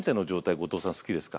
後藤さん好きですか？